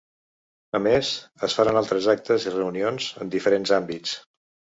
A més, es faran altres actes i reunions en diferents àmbits.